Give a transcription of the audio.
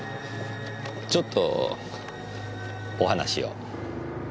ちょっとお話を。